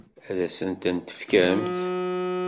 Ad asen-ten-tefkemt?